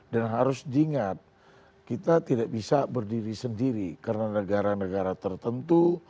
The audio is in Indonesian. dan harus diingat kita tidak bisa berdiri sendiri karena negara negara tertentu